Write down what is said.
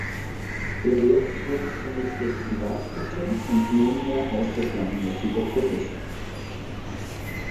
Er lehrt dort zunächst als Privatdozent und nunmehr außerplanmäßiger Professor.